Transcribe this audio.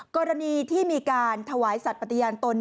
กรณีที่มีการถวายสัตว์ปฏิญาณตน